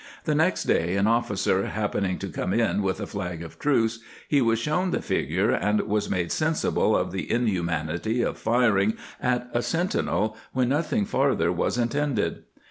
... The next day an officer happening to come in with a flag of truce, he was shown the figure and was made sensible of the inhumanity of firing at a sentinel when nothing farther was intended."